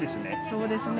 そうですね。